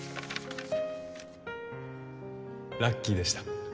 ラッキーでした